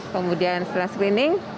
kemudian setelah screening